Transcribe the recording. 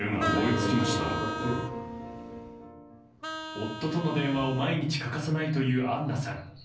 夫との電話を毎日欠かさないというアンナさん。